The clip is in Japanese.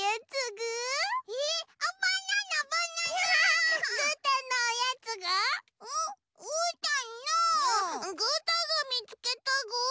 ぐーたんがみつけたぐ。